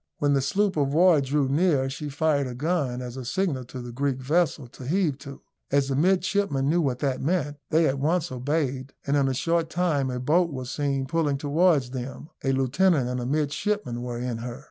When the sloop of war drew near, she fired a gun as a signal to the Greek vessel to heave to. As the midshipmen knew what that meant, they at once obeyed, and in a short time a boat was seen pulling towards them; a lieutenant and a midshipman were in her.